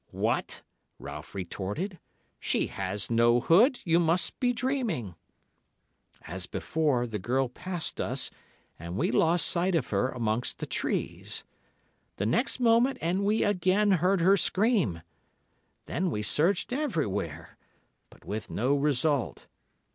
"'What!' Ralph retorted; 'she has no hood, you must be dreaming.' "As before, the girl passed us and we lost sight of her amongst the trees. The next moment, and we again heard her scream. Then we searched everywhere, but with no result.